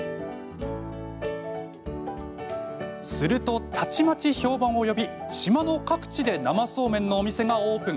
すると、たちまち評判を呼び島の各地で生そうめんのお店がオープン。